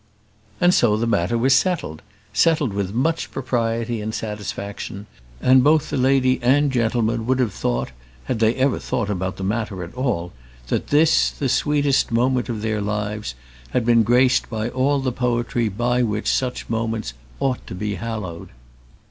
And so the matter was settled: settled with much propriety and satisfaction; and both the lady and gentleman would have thought, had they ever thought about the matter at all, that this, the sweetest moment of their lives, had been graced by all the poetry by which such moments ought to be hallowed.